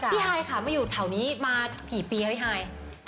พี่หายค่ะมาอยู่เท่านี้มากี่ปีครับพี่หาย